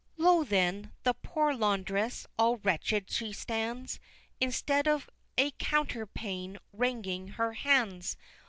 Lo, then, the poor laundress, all wretched she stands, Instead of a counterpane wringing her hands!